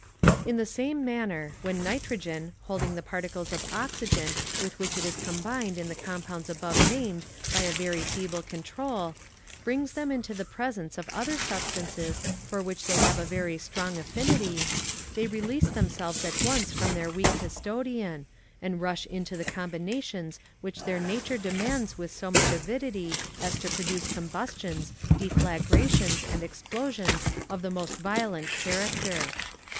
In the same manner, when nitrogen, holding the particles of oxygen with which it is combined in the compounds above named by a very feeble control, brings them into the presence of other substances for which they have a very strong affinity, they release themselves at once from their weak custodian, and rush into the combinations which their nature demands with so much avidity as to produce combustions, deflagrations, and explosions of the most violent character.